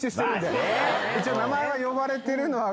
一応名前は呼ばれてるのは。